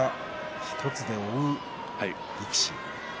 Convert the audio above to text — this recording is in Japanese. １つで追う力士。